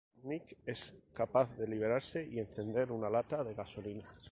Nick es capaz de liberarse y encender una lata de gasolina.